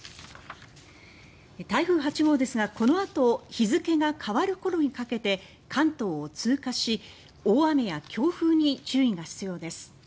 台風８号ですが、このあと日付が変わるころにかけて関東を通過し、大雨や強風に注意が必要です。